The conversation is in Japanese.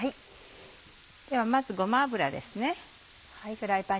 ではまずごま油です。